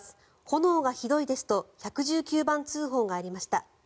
炎がひどいですと１１９番通報がありました。